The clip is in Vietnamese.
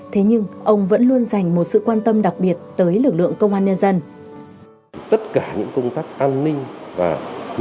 thế nhưng ông vẫn luôn dành một sự quan tâm đặc biệt tới lực lượng công an nhân dân